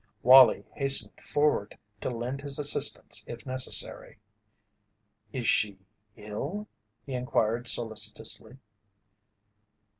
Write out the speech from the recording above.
Wallie hastened forward to lend his assistance if necessary. "Is she ill?" he inquired, solicitously.